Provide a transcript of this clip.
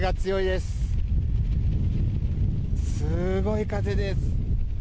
すごい風です。